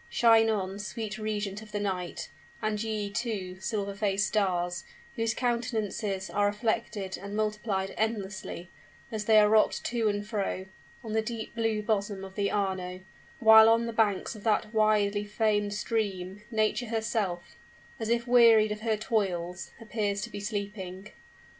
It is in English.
Shine on, sweet regent of the night and ye, too, silver faced stars, whose countenances are reflected and multiplied endlessly, as they are rocked to and fro, on the deep blue bosom of the Arno; while on the banks of that widely famed stream, Nature herself, as if wearied of her toils, appears to be sleeping.